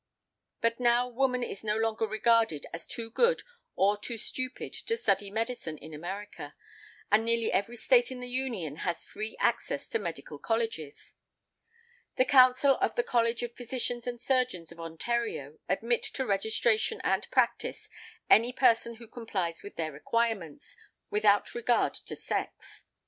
But now woman is no longer regarded as too good or too stupid to study medicine in America; in nearly every State in the Union she has free access to Medical Colleges . The Council of the College of Physicians and Surgeons of Ontario admit to registration and practice any person who complies with their requirements, without regard to sex.